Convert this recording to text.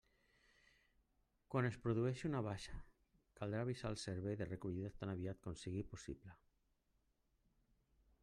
Quan es produeixi una baixa, caldrà avisar el servei de recollida tan aviat com sigui possible.